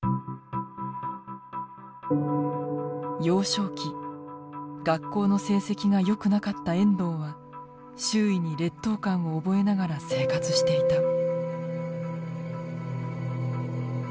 幼少期学校の成績が良くなかった遠藤は周囲に劣等感を覚えながら生活していた。